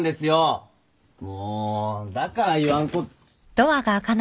もうだから言わんこっ。